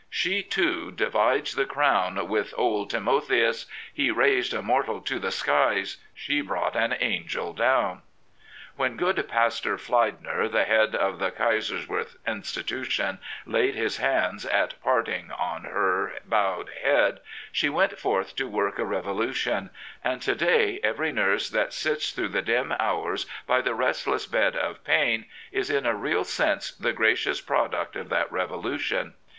She, too, divides the crown with Old Timotheus "— He raised a mortal to the skies, She brought an angel down. When good Pastor Fleidner, the head of the Kaisers werth Institution, laid his hands at parting on her bowed head, she went forth to work a revolution ; and to day every nurse that sits through the dim hours by the restless bed of pain is in a real sense the gracious product of that revolution.